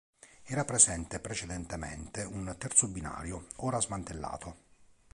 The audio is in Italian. Era presente precedentemente un terzo binario, ora smantellato.